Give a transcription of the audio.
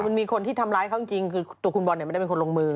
มันมีคนที่ทำร้ายเขาจริงคือตัวคุณบอลเนี่ยไม่ได้เป็นคนลงมือ